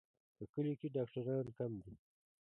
په کلیو کې ډاکټران کم دي.